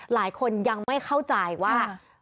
หลายคนยังไม่เข้าใจว่า